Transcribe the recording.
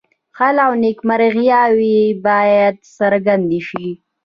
خل او نیمګړتیاوې باید څرګندې شي.